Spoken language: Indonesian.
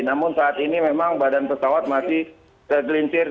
namun saat ini memang badan pesawat masih tergelincir